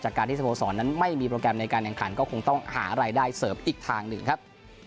การที่สโมสรนั้นไม่มีโปรแกรมในการแข่งขันก็คงต้องหารายได้เสริมอีกทางหนึ่งครับ